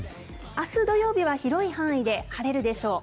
あす土曜日は広い範囲で晴れるでしょう。